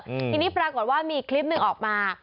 อืมทีนี้ปรากฏว่ามีคลิปหนึ่งออกมา